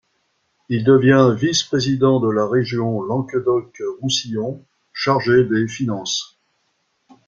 Il devient vice-président de la région Languedoc-Roussillon chargé des finances.